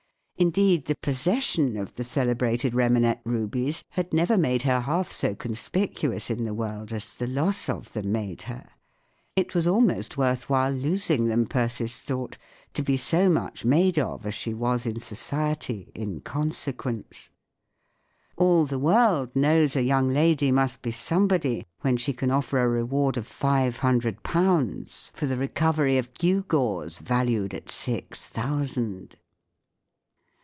Indeed, the possession of the celebrated Remanet rubies had never made her half so con¬ spicuous in the world as the loss of them made her. It was almost worth while losing them, Persis thought, to be so much made of as she was in society in consequence. All the world knows a young lady must be somebody when she can offer a reward of five hundred pounds for the recovery of gew¬ gaws valued at six thousand.